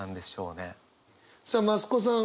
さあ増子さん